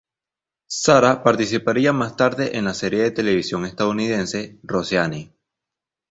Sara participaría más tarde en la serie de televisión estadounidense "Roseanne".